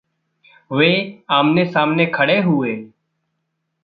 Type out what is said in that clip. वे आमने-सामने खड़े हुए।